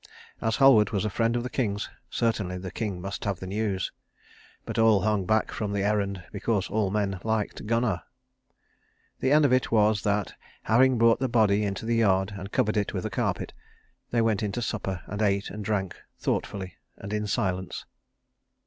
As Halward was a friend of the king's certainly the king must have the news; but all hung back from the errand because all men liked Gunnar. The end of it was that, having brought the body into the yard and covered it with a carpet, they went in to supper and ate and drank thoughtfully and in silence.